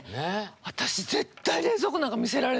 私絶対冷蔵庫なんか見せられない。